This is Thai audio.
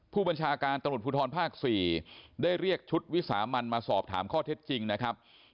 ผู้บัญชาการตำรวจภูทรภาค๔ได้เรียกชุดวิสามันมาสอบถามข้อเท็จจริงนะครับ